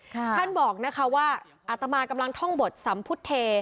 ท่านบอกนะคะว่าอาตมากำลังท่องบทสัมพุทธเท